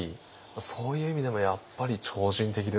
そういう意味でもやっぱり超人的ですよね。